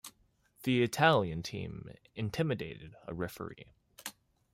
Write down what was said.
The Italian team intimidated a referee.